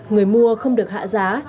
người mua không được hạ giá